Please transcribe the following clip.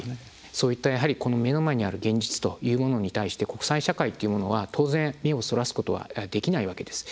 そういった目の前にある現実というものに対して国際社会というのは当然目をそらすことはできないわけです。